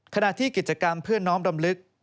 ขณะที่กิจกรรมเพื่อน้อมรำลึก